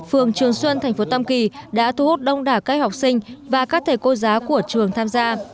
phường trường xuân tp tam kỳ đã thu hút đông đà các học sinh và các thể cô giá của trường tham gia